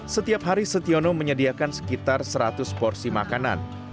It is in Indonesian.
setiap hari setiono menyediakan sekitar seratus porsi makanan